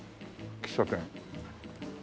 喫茶店。